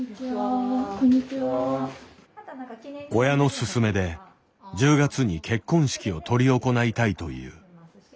親の勧めで１０月に結婚式を執り行いたいという。